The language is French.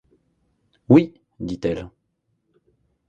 Oui, dit-elle ;